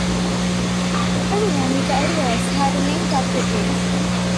Everyone with ideas had to link up to it.